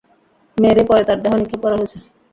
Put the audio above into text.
মেরে পরে তার দেহ নিক্ষেপ করা হয়েছে।